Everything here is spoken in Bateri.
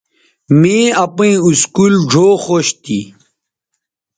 می اپئیں اسکول ڙھؤ خوش تھی